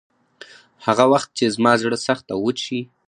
هغه وخت چې زما زړه سخت او وچ شي.